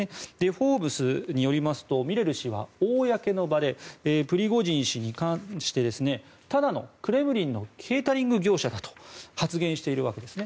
「フォーブス」によりますとミレル氏は公の場でプリゴジン氏に関してただのクレムリンのケータリング業者だと発言しているわけですね。